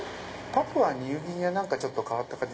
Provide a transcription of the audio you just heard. パプアニューギニアなんかちょっと変わった感じ。